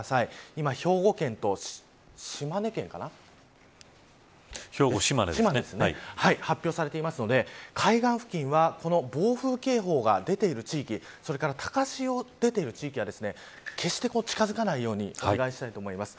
今、兵庫県と島根県かな発表されていますので海岸付近は暴風警報が出ている地域それから高潮が出ている地域は決して近づかないようにお願いしたいです。